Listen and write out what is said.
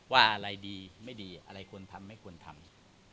ว่าอะไรดีไม่ดีอะไรควรทำไม่ควรทำ